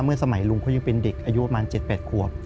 เมื่อสมัยลุงเขายังเป็นเด็กอายุประมาณ๗๘ครัว